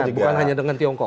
bukan hanya dengan tiongkok